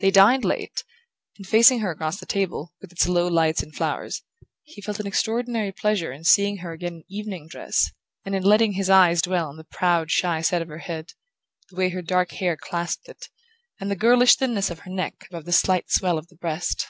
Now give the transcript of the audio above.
They dined late, and facing her across the table, with its low lights and flowers, he felt an extraordinary pleasure in seeing her again in evening dress, and in letting his eyes dwell on the proud shy set of her head, the way her dark hair clasped it, and the girlish thinness of her neck above the slight swell of the breast.